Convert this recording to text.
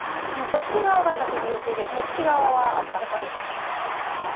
こっち側がたき火よけでこっち側はあったかいみたいな。